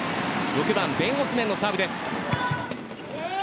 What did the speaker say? ６番、ベンオスメンのサーブ。